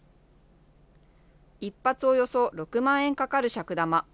１発およそ６万円かかる尺玉。